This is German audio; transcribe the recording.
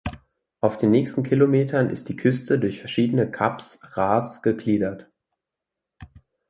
Auf den nächsten Kilometern ist die Küste durch verschiedene Kaps (Ras) gegliedert.